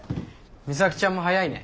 美咲ちゃんも早いね。